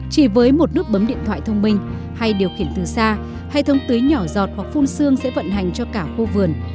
chỉ với một nước bấm điện thoại thông minh hay điều khiển từ xa hệ thống tưới nhỏ giọt hoặc phun xương sẽ vận hành cho cả khu vườn